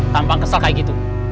tampang kesel kayak gitu